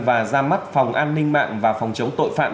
và ra mắt phòng an ninh mạng và phòng chống tội phạm